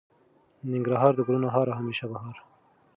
ننګرهار د ګلو هار او همیشه بهار.